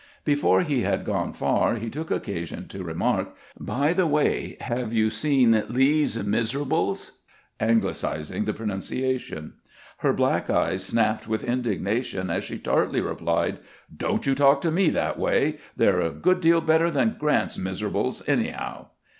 Before he had gone far he took occasion to remark :" By the way, SEIZING VANTAGE GBOUND 117 have you seen ' Lees Miserables '?" anglicizing tlie pronunciation. Her black eyes snapped with indigna tion as she tartly replied :" Don't you talk to me that way ; they 're a good deal better than G rant's miserables anyhow